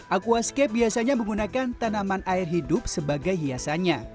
aquascape biasanya menggunakan tanaman air hidup sebagai hiasannya